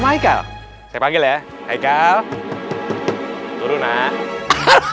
maikal saya panggil ya maikal turun ah